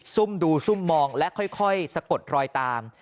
ซุ่มดูซุ่มมองและค่อยสะกดรอยตาม